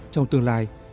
trong tương lai